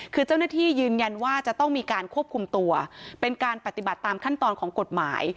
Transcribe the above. คือเจ้าหน้าที่ยืนยันว่าจะต้องมีการควบคุมตัวเป็นการปฏิบัติตามขั้นตอนของกฎหมาย